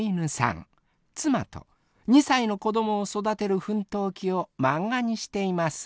妻と２歳の子どもを育てる奮闘記を漫画にしています。